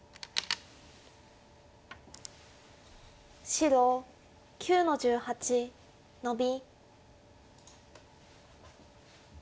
白９の十八ノビ。